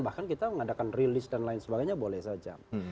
bahkan kita mengadakan rilis dan lain sebagainya boleh saja